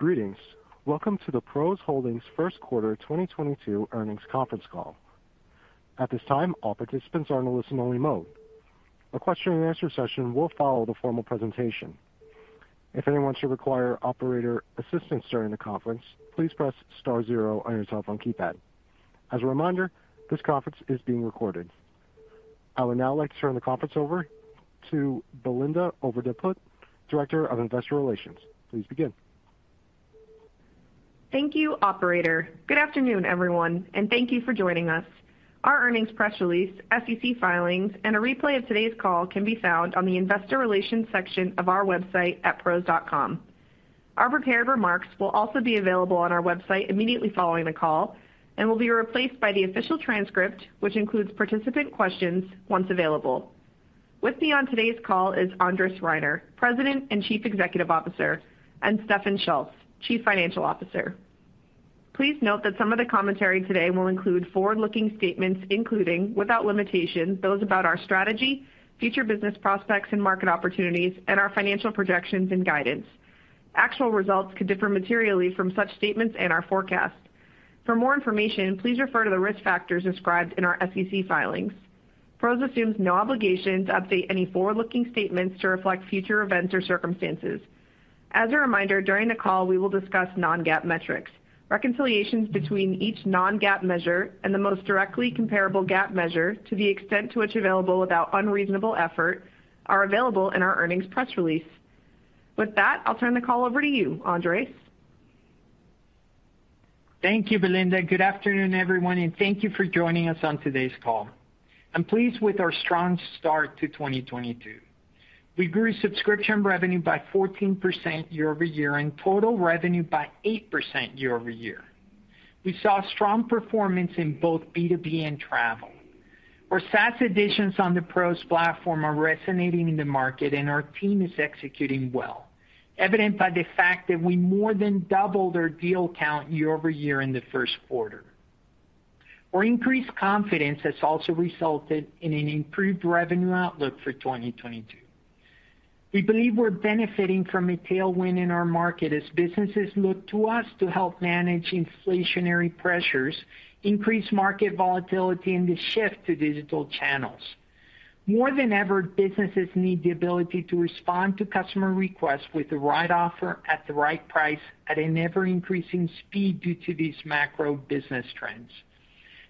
Greetings. Welcome to the PROS Holdings First Quarter 2022 earnings conference call. At this time, all participants are in a listen only mode. A question and answer session will follow the formal presentation. If anyone should require operator assistance during the conference, please press star zero on your telephone keypad. As a reminder, this conference is being recorded. I would now like to turn the conference over to Belinda Overdeput, Director of Investor Relations. Please begin. Thank you, operator. Good afternoon, everyone, and thank you for joining us. Our earnings press release, SEC filings, and a replay of today's call can be found on the investor relations section of our website at pros.com. Our prepared remarks will also be available on our website immediately following the call and will be replaced by the official transcript, which includes participant questions, once available. With me on today's call is Andres Reiner, President and Chief Executive Officer, and Stefan Schulz, Chief Financial Officer. Please note that some of the commentary today will include forward-looking statements, including, without limitation, those about our strategy, future business prospects and market opportunities, and our financial projections and guidance. Actual results could differ materially from such statements and our forecast. For more information, please refer to the risk factors described in our SEC filings. PROS assumes no obligation to update any forward-looking statements to reflect future events or circumstances. As a reminder, during the call, we will discuss non-GAAP metrics. Reconciliations between each non-GAAP measure and the most directly comparable GAAP measure, to the extent to which available without unreasonable effort, are available in our earnings press release. With that, I'll turn the call over to you, Andres. Thank you, Belinda. Good afternoon, everyone, and thank you for joining us on today's call. I'm pleased with our strong start to 2022. We grew subscription revenue by 14% year-over-year and total revenue by 8% year-over-year. We saw strong performance in both B2B and travel. Our SaaS additions on the PROS platform are resonating in the market and our team is executing well, evident by the fact that we more than doubled our deal count year-over-year in the first quarter. Our increased confidence has also resulted in an improved revenue outlook for 2022. We believe we're benefiting from a tailwind in our market as businesses look to us to help manage inflationary pressures, increased market volatility, and the shift to digital channels. More than ever, businesses need the ability to respond to customer requests with the right offer at the right price at an ever-increasing speed due to these macro business trends.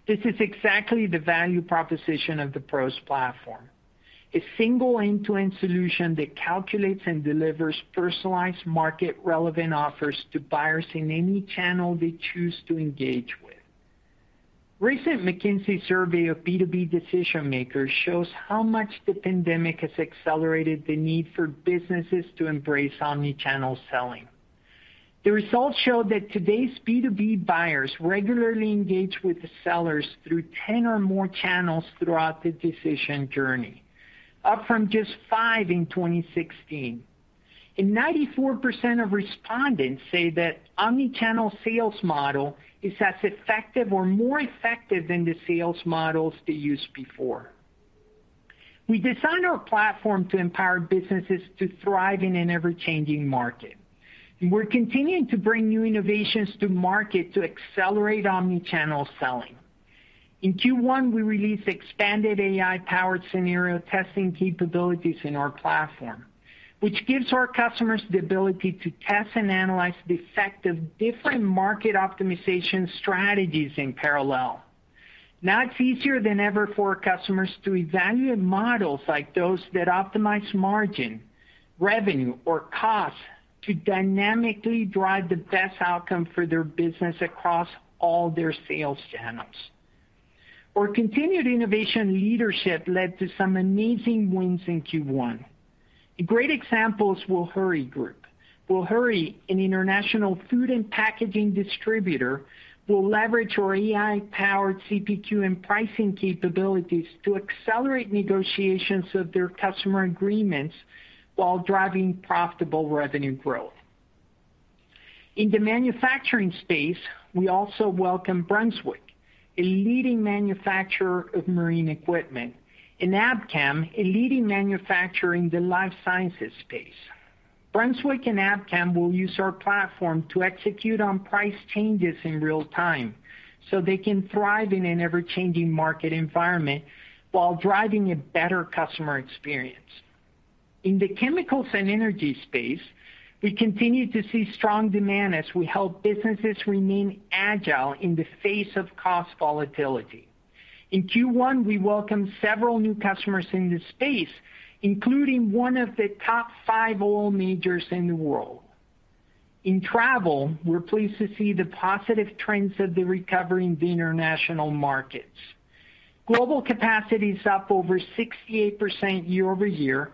This is exactly the value proposition of the PROS platform. A single end-to-end solution that calculates and delivers personalized market relevant offers to buyers in any channel they choose to engage with. Recent McKinsey survey of B2B decision-makers shows how much the pandemic has accelerated the need for businesses to embrace omni-channel selling. The results show that today's B2B buyers regularly engage with the sellers through 10 or more channels throughout the decision journey, up from just 5 in 2016. Ninety-four percent of respondents say that omni-channel sales model is as effective or more effective than the sales models they used before. We designed our platform to empower businesses to thrive in an ever-changing market. We're continuing to bring new innovations to market to accelerate omni-channel selling. In Q1, we released expanded AI-powered scenario testing capabilities in our platform, which gives our customers the ability to test and analyze the effect of different market optimization strategies in parallel. Now it's easier than ever for customers to evaluate models like those that optimize margin, revenue or cost to dynamically drive the best outcome for their business across all their sales channels. Our continued innovation leadership led to some amazing wins in Q1. A great example is Woolery Group. Wi, an international food and packaging distributor, will leverage our AI-powered CPQ and pricing capabilities to accelerate negotiations of their customer agreements while driving profitable revenue growth. In the manufacturing space, we also welcome Brunswick, a leading manufacturer of marine equipment, and Abcam, a leading manufacturer in the life sciences space. Brunswick and Abcam will use our platform to execute on price changes in real time, so they can thrive in an ever-changing market environment while driving a better customer experience. In the chemicals and energy space, we continue to see strong demand as we help businesses remain agile in the face of cost volatility. In Q1, we welcomed several new customers in this space, including one of the top five oil majors in the world. In travel, we're pleased to see the positive trends of the recovery in the international markets. Global capacity is up over 68% year-over-year,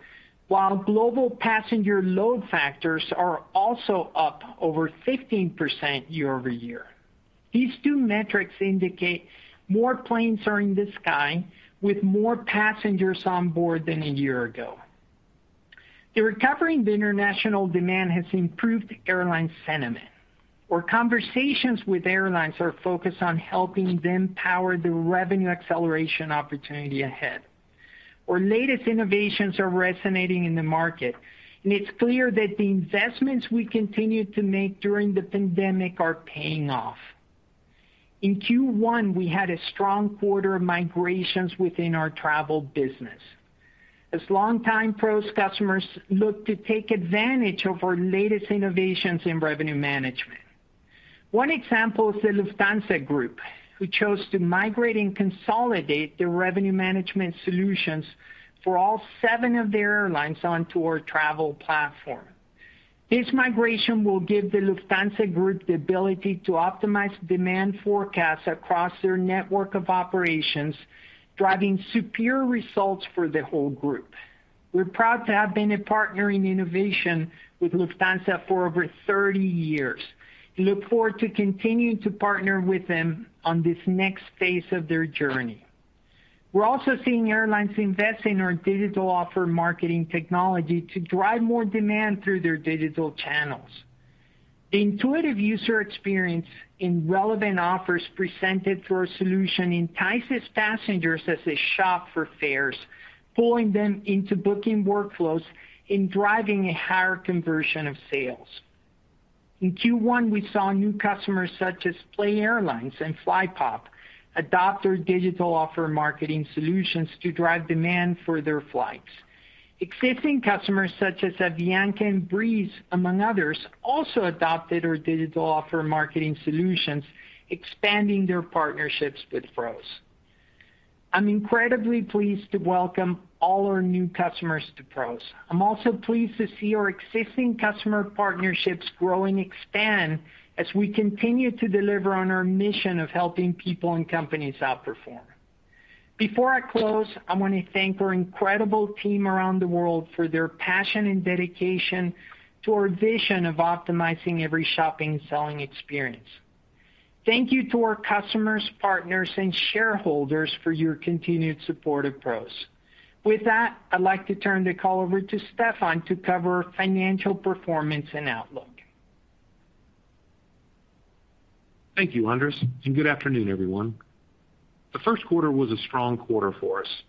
while global passenger load factors are also up over 15% year-over-year. These two metrics indicate more planes are in the sky with more passengers on board than a year ago. The recovery of the international demand has improved airline sentiment. Our conversations with airlines are focused on helping them power the revenue acceleration opportunity ahead. Our latest innovations are resonating in the market, and it's clear that the investments we continue to make during the pandemic are paying off. In Q1, we had a strong quarter of migrations within our travel business as long-time PROS customers look to take advantage of our latest innovations in revenue management. One example is the Lufthansa Group, who chose to migrate and consolidate their revenue management solutions for all 7 of their airlines onto our travel platform. This migration will give the Lufthansa Group the ability to optimize demand forecasts across their network of operations, driving superior results for the whole group. We're proud to have been a partner in innovation with Lufthansa for over 30 years and look forward to continuing to partner with them on this next phase of their journey. We're also seeing airlines invest in our digital offer marketing technology to drive more demand through their digital channels. The intuitive user experience and relevant offers presented through our solution entices passengers as they shop for fares, pulling them into booking workflows and driving a higher conversion of sales. In Q1, we saw new customers such as PLAY and flypop adopt our digital offer marketing solutions to drive demand for their flights. Existing customers such as Avianca and Breeze, among others, also adopted our digital offer marketing solutions, expanding their partnerships with PROS. I'm incredibly pleased to welcome all our new customers to PROS. I'm also pleased to see our existing customer partnerships grow and expand as we continue to deliver on our mission of helping people and companies outperform. Before I close, I want to thank our incredible team around the world for their passion and dedication to our vision of optimizing every shopping and selling experience. Thank you to our customers, partners, and shareholders for your continued support of PROS. With that, I'd like to turn the call over to Stefan to cover financial performance and outlook. Thank you, Andres, and good afternoon, everyone. The first quarter was a strong quarter for us.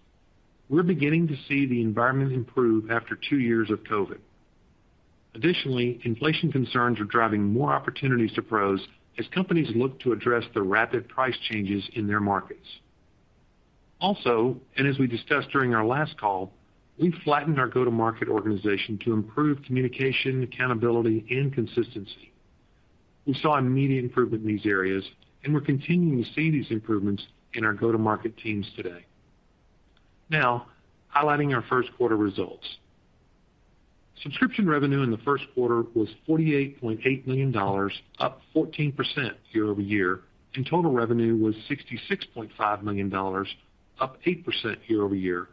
We're beginning to see the environment improve after 2 years of COVID. Additionally, inflation concerns are driving more opportunities to PROS as companies look to address the rapid price changes in their markets. Also, as we discussed during our last call, we've flattened our go-to-market organization to improve communication, accountability, and consistency. We saw immediate improvement in these areas, and we're continuing to see these improvements in our go-to-market teams today. Now, highlighting our first quarter results. Subscription revenue in the first quarter was $48.8 million, up 14% year-over-year, and total revenue was $66.5 million, up 8% year-over-year,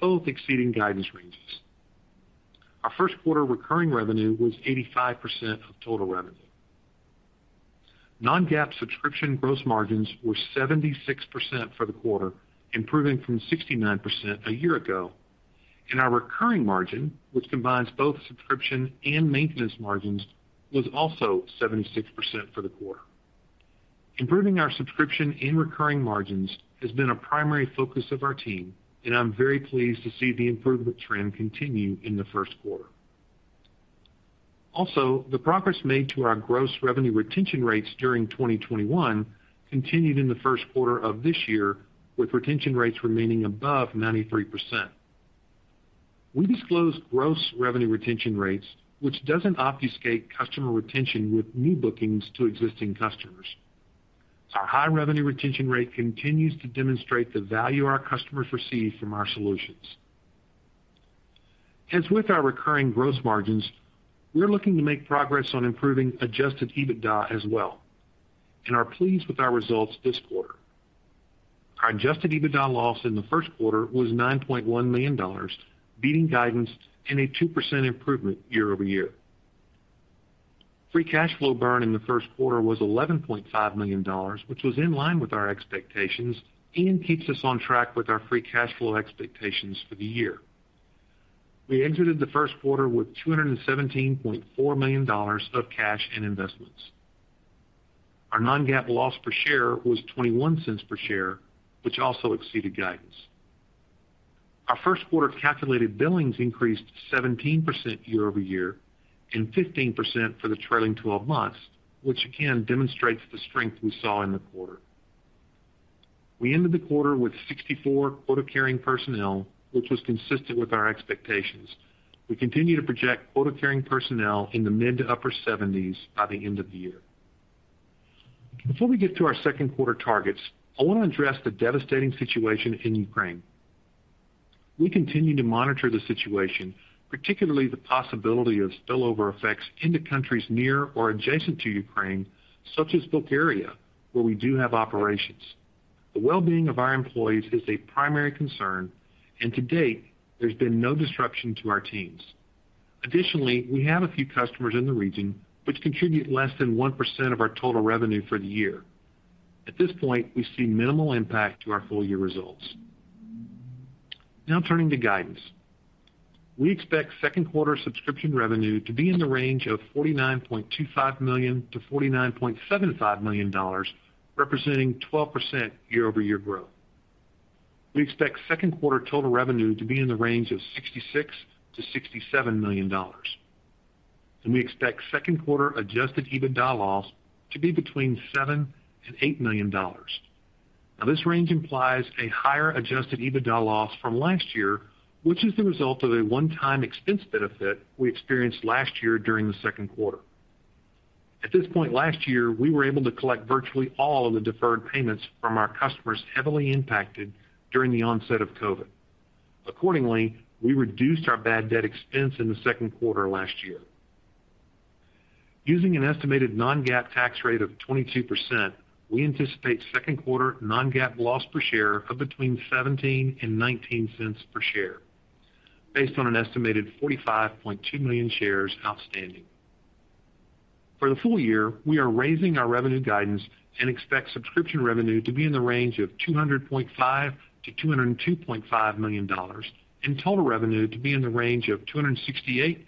both exceeding guidance ranges. Our first quarter recurring revenue was 85% of total revenue. Non-GAAP subscription gross margins were 76% for the quarter, improving from 69% a year ago. Our recurring margin, which combines both subscription and maintenance margins, was also 76% for the quarter. Improving our subscription and recurring margins has been a primary focus of our team, and I'm very pleased to see the improvement trend continue in the first quarter. Also, the progress made to our gross revenue retention rates during 2021 continued in the first quarter of this year, with retention rates remaining above 93%. We disclosed gross revenue retention rates, which doesn't obfuscate customer retention with new bookings to existing customers. Our high revenue retention rate continues to demonstrate the value our customers receive from our solutions. As with our recurring gross margins, we're looking to make progress on improving adjusted EBITDA as well and are pleased with our results this quarter. Our adjusted EBITDA loss in the first quarter was $9.1 million, beating guidance and a 2% improvement year-over-year. Free cash flow burn in the first quarter was $11.5 million, which was in line with our expectations and keeps us on track with our free cash flow expectations for the year. We entered the first quarter with $217.4 million of cash and investments. Our non-GAAP loss per share was $0.21 per share, which also exceeded guidance. Our first quarter calculated billings increased 17% year-over-year and 15% for the trailing twelve months, which again demonstrates the strength we saw in the quarter. We ended the quarter with 64 quota-carrying personnel, which was consistent with our expectations. We continue to project quota-carrying personnel in the mid- to upper-70s by the end of the year. Before we get to our second quarter targets, I want to address the devastating situation in Ukraine. We continue to monitor the situation, particularly the possibility of spillover effects into countries near or adjacent to Ukraine, such as Bulgaria, where we do have operations. The well-being of our employees is a primary concern. To date, there's been no disruption to our teams. Additionally, we have a few customers in the region which contribute less than 1% of our total revenue for the year. At this point, we see minimal impact to our full-year results. Now turning to guidance. We expect second quarter subscription revenue to be in the range of $49.25 million-$49.75 million, representing 12% year-over-year growth. We expect second quarter total revenue to be in the range of $66 million-$67 million. We expect second quarter adjusted EBITDA loss to be between $7 million-$8 million. Now, this range implies a higher adjusted EBITDA loss from last year, which is the result of a one-time expense benefit we experienced last year during the second quarter. At this point last year, we were able to collect virtually all of the deferred payments from our customers heavily impacted during the onset of COVID. Accordingly, we reduced our bad debt expense in the second quarter last year. Using an estimated non-GAAP tax rate of 22%, we anticipate second quarter non-GAAP loss per share of between $0.17-$0.19 per share based on an estimated 45.2 million shares outstanding. For the full year, we are raising our revenue guidance and expect subscription revenue to be in the range of $200.5 million-$202.5 million, and total revenue to be in the range of $268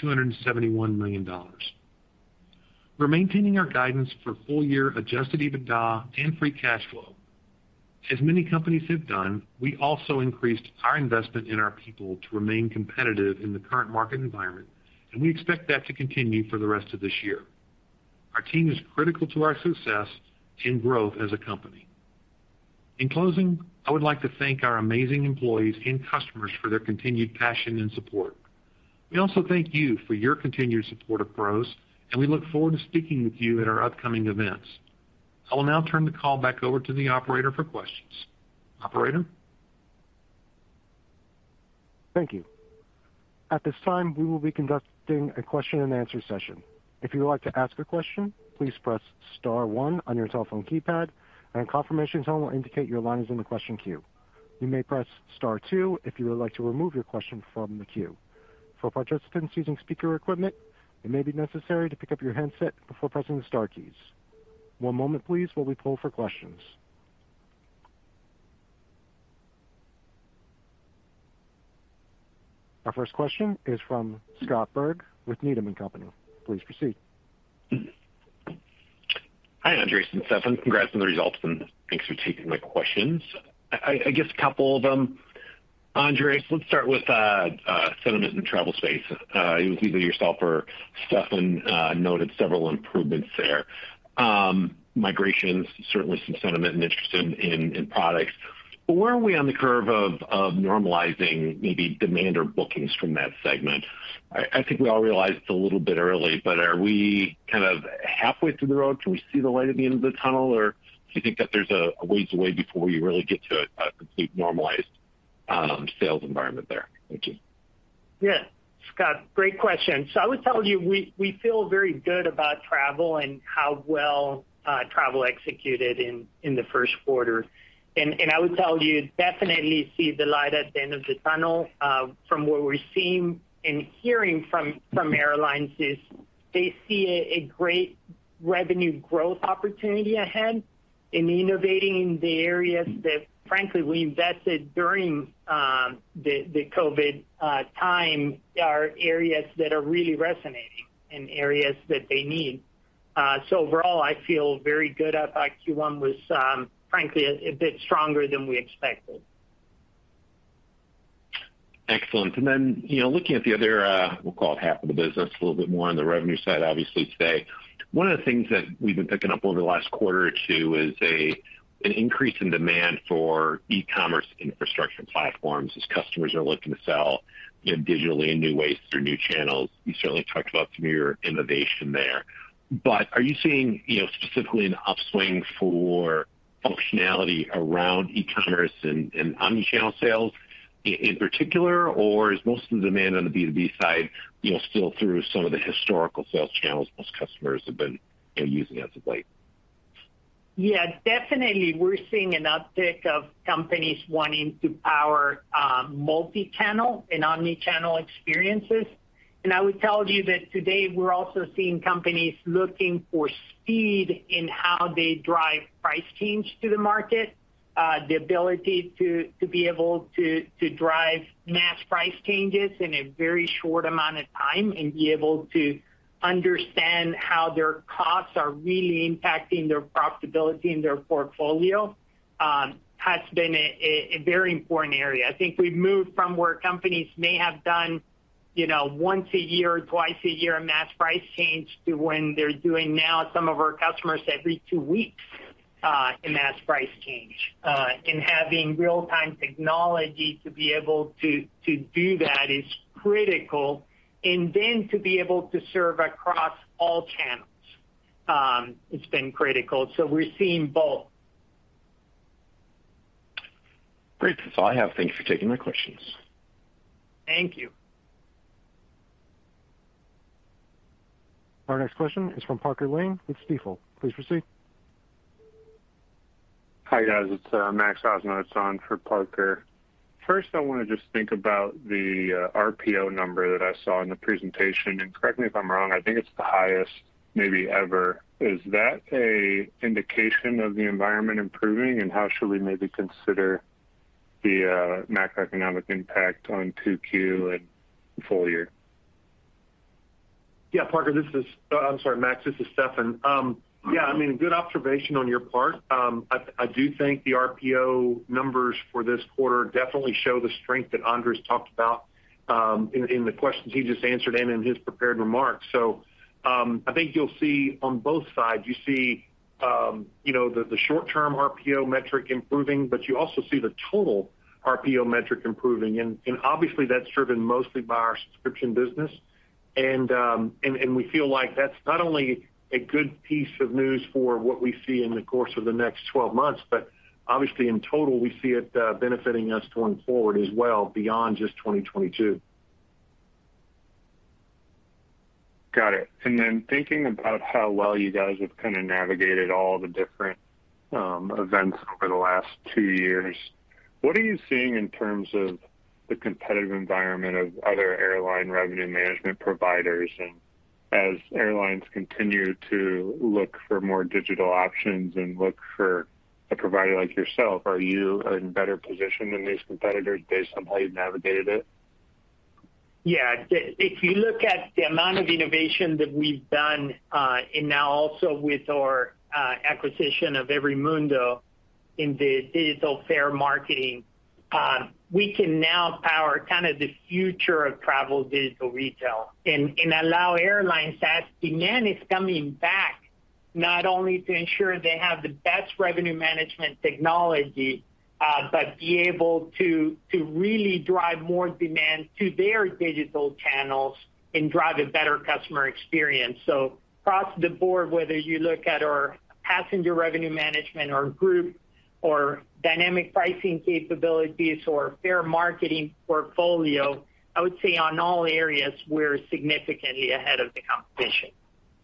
million-$271 million. We're maintaining our guidance for full-year adjusted EBITDA and free cash flow. As many companies have done, we also increased our investment in our people to remain competitive in the current market environment, and we expect that to continue for the rest of this year. Our team is critical to our success and growth as a company. In closing, I would like to thank our amazing employees and customers for their continued passion and support. We also thank you for your continued support of PROS, and we look forward to speaking with you at our upcoming events. I will now turn the call back over to the operator for questions. Operator? Thank you. At this time, we will be conducting a question-and-answer session. If you would like to ask a question, please press star one on your telephone keypad, and a confirmation tone will indicate your line is in the question queue. You may press star two if you would like to remove your question from the queue. For participants using speaker equipment, it may be necessary to pick up your handset before pressing the star keys. One moment please while we poll for questions. Our first question is from Scott Berg with Needham & Company. Please proceed. Hi, Andres and Stefan. Congrats on the results, and thanks for taking my questions. I guess a couple of them. Andres, let's start with sentiment in travel space. It was either yourself or Stefan noted several improvements there. Migrations, certainly some sentiment and interest in products. Where are we on the curve of normalizing maybe demand or bookings from that segment? I think we all realize it's a little bit early, but are we kind of halfway through the road? Can we see the light at the end of the tunnel, or do you think that there's a ways away before we really get to a complete normalized sales environment there? Thank you. Yeah. Scott, great question. I would tell you, we feel very good about travel and how well travel executed in the first quarter. I would tell you, we definitely see the light at the end of the tunnel. From what we're seeing and hearing from airlines is that they see a great revenue growth opportunity ahead in innovating in the areas that frankly we invested during the COVID time are areas that are really resonating and areas that they need. Overall, I feel very good about Q1. It was frankly a bit stronger than we expected. Excellent. You know, looking at the other, we'll call it half of the business, a little bit more on the revenue side obviously today. One of the things that we've been picking up over the last quarter or two is an increase in demand for e-commerce infrastructure platforms as customers are looking to sell, you know, digitally in new ways through new channels. You certainly talked about some of your innovation there. But are you seeing, you know, specifically an upswing for functionality around e-commerce and omni-channel sales in particular? Or is most of the demand on the B2B side, you know, still through some of the historical sales channels most customers have been, you know, using as of late? Yeah, definitely, we're seeing an uptick of companies wanting to power multi-channel and omni-channel experiences. I would tell you that today we're also seeing companies looking for speed in how they drive price change to the market. The ability to be able to drive mass price changes in a very short amount of time and be able to understand how their costs are really impacting their profitability and their portfolio has been a very important area. I think we've moved from where companies may have done, you know, once a year, twice a year, a mass price change to when they're doing now some of our customers every two weeks a mass price change. Having real-time technology to be able to do that is critical. To be able to serve across all channels has been critical. We're seeing both. Great. That's all I have. Thank you for taking my questions. Thank you. Our next question is from J. Parker Lane with Stifel. Please proceed. Hi, guys. It's Max Osnowitz on for Parker Lane. First, I wanna just think about the RPO number that I saw in the presentation, and correct me if I'm wrong, I think it's the highest maybe ever. Is that a indication of the environment improving, and how should we maybe consider the macroeconomic impact on 2Q and full year? Yeah, Parker, this is Stefan. I'm sorry, Max, this is Stefan. Yeah, I mean, good observation on your part. I do think the RPO numbers for this quarter definitely show the strength that Andres talked about, in the questions he just answered and in his prepared remarks. I think you'll see on both sides, you see, you know, the short-term RPO metric improving, but you also see the total RPO metric improving. And obviously that's driven mostly by our subscription business. And we feel like that's not only a good piece of news for what we see in the course of the next 12 months, but obviously in total, we see it benefiting us going forward as well beyond just 2022. Got it. Thinking about how well you guys have kind of navigated all the different events over the last two years, what are you seeing in terms of the competitive environment of other airline revenue management providers? As airlines continue to look for more digital options and look for a provider like yourself, are you in better position than these competitors based on how you've navigated it? Yeah. If you look at the amount of innovation that we've done, and now also with our acquisition of EveryMundo in the digital fare marketing, we can now power kind of the future of travel digital retail and allow airlines as demand is coming back not only to ensure they have the best revenue management technology, but be able to really drive more demand to their digital channels and drive a better customer experience. Across the board, whether you look at our passenger revenue management or group or dynamic pricing capabilities or fare marketing portfolio, I would say on all areas we're significantly ahead of the competition.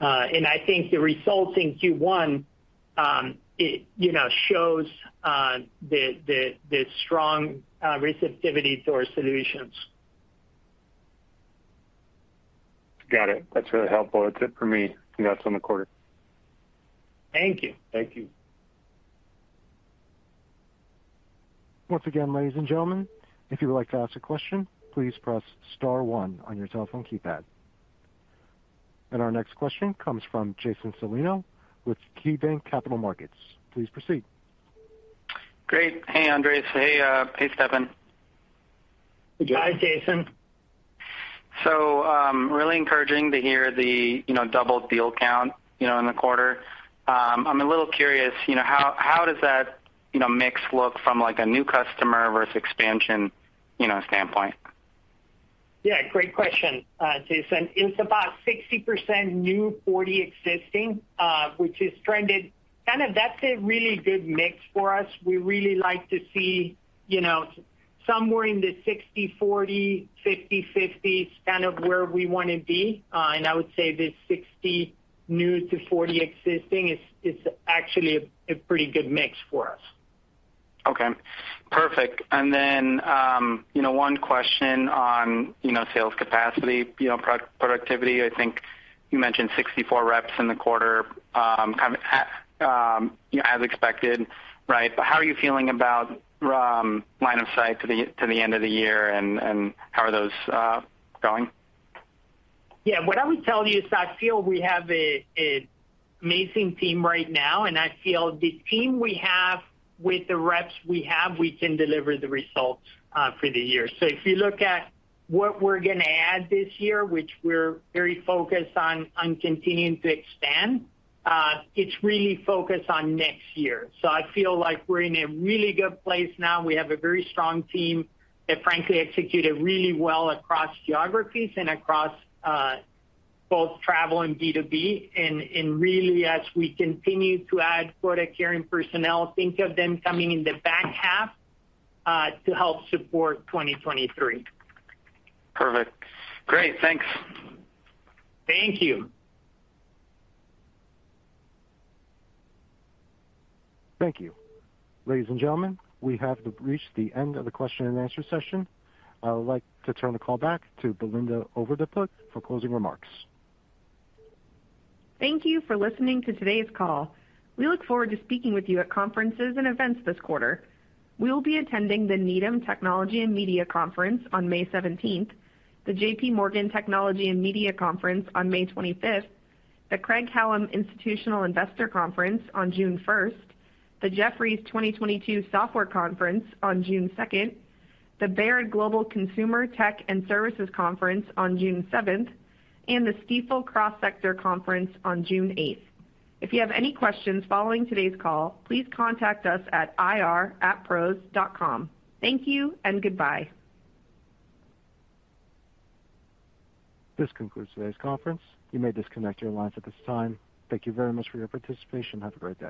I think the results in Q1, you know, shows the strong receptivity to our solutions. Got it. That's really helpful. That's it for me. Congrats on the quarter. Thank you. Thank you. Once again, ladies and gentlemen, if you would like to ask a question, please press star one on your telephone keypad. Our next question comes from Jason Celino with KeyBanc Capital Markets. Please proceed. Great. Hey, Andres. Hey, Stefan. Hi, Jason. Really encouraging to hear the, you know, doubled deal count, you know, in the quarter. I'm a little curious, you know, how does that, you know, mix look from like a new customer versus expansion, you know, standpoint? Yeah, great question, Jason. It's about 60% new, 40 existing, which is trending kind of, that's a really good mix for us. We really like to see, you know, somewhere in the 60/40, 50/50, it's kind of where we wanna be. I would say this 60 new to 40 existing is actually a pretty good mix for us. Okay. Perfect. Then you know, one question on you know, sales capacity, you know, productivity. I think you mentioned 64 reps in the quarter, kind of at, you know, as expected, right? How are you feeling about line of sight to the end of the year and how are those going? Yeah. What I would tell you is I feel we have an amazing team right now, and I feel the team we have with the reps we have, we can deliver the results for the year. If you look at what we're gonna add this year, which we're very focused on continuing to expand, it's really focused on next year. I feel like we're in a really good place now. We have a very strong team that frankly executed really well across geographies and across both travel and B2B. And really as we continue to add quota-carrying personnel, think of them coming in the back half to help support 2023. Perfect. Great. Thanks. Thank you. Thank you. Ladies and gentlemen, we have reached the end of the question and answer session. I would like to turn the call back to Belinda Overdeput for closing remarks. Thank you for listening to today's call. We look forward to speaking with you at conferences and events this quarter. We will be attending the Needham Technology & Media Conference on May 17, the JP Morgan Technology and Media Conference on May 25, the Craig-Hallum Institutional Investor Conference on June 1, the Jefferies 2022 Software Conference on June 2, the Baird Global Consumer, Technology & Services Conference on June 7, and the Stifel Cross Sector Insight Conference on June 8. If you have any questions following today's call, please contact us at ir@pros.com. Thank you and goodbye. This concludes today's conference. You may disconnect your lines at this time. Thank you very much for your participation. Have a great day.